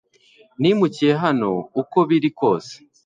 Nimukiye hano uko biri kose